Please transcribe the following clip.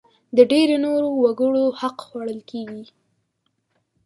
د ډېری نورو وګړو حق خوړل کېږي.